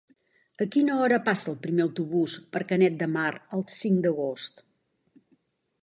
A quina hora passa el primer autobús per Canet de Mar el cinc d'agost?